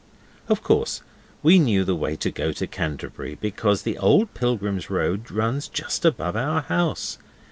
Of course we knew the way to go to Canterbury, because the old Pilgrims' Road runs just above our house.